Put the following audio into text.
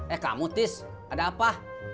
eh kamu tis ada apa